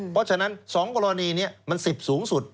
เพราะฉะนั้น๒กรณีนี้มัน๑๐สูงสุด